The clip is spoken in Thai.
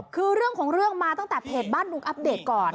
คือเรื่องของเรื่องมาตั้งแต่เพจบ้านลุงอัปเดตก่อน